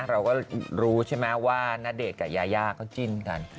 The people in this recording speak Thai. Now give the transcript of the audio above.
เราก็รู้ใช่ไหมว่าณเดชน์กับยายาเขาจิ้นกัน